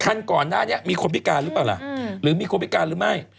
ก่อนหน้านี้มีคนพิการหรือเปล่าล่ะหรือมีคนพิการหรือไม่